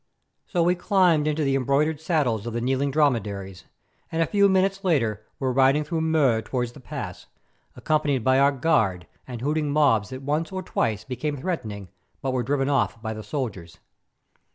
So we climbed into the embroidered saddles of the kneeling dromedaries, and a few minutes later were riding through Mur toward the pass, accompanied by our guard and hooting mobs that once or twice became threatening, but were driven off by the soldiers.